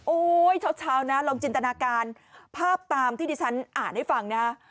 โอ้โหชาวนะลองจินตนาการภาพตามที่ที่ฉันอ่านให้ฟังนะ